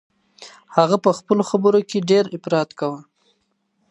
هغه په خپلو خبرو کي ډیر افراط کاوه.